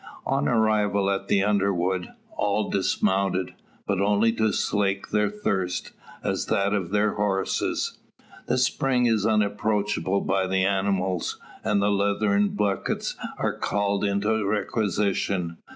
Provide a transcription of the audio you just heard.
On arrival at the underwood, all dismount; but only to slake their thirst, as that of their horses. The spring is unapproachable by the animals; and leathern buckets are called into requisition.